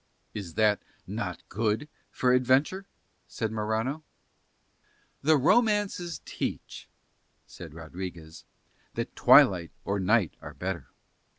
"Is that not good for adventure?" said Morano. "The romances teach," said Rodriguez, "that twilight or night are better.